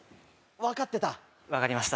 分かってた？